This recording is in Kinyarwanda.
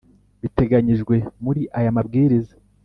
biteganyijwe muri aya mabwiriza